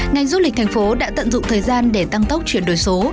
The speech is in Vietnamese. ngành du lịch thành phố đã tận dụng thời gian để tăng tốc chuyển đổi số